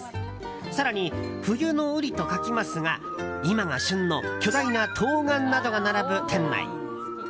更に、冬の瓜と書きますが今が旬の巨大な冬瓜などが並ぶ店内。